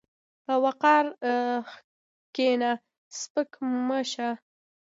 په وقار کښېنه، سپک مه شه.